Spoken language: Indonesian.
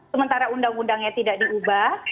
sementara undang undangnya tidak diubah